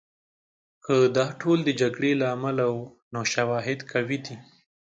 که دا ټول د جګړې له امله وو، نو شواهد قوي دي.